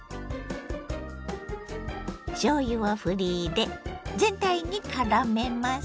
しょうゆをふり入れ全体にからめます。